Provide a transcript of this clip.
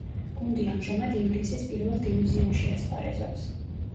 გუნდი ამჟამად ინგლისის პირველ დივიზიონში ასპარეზობს.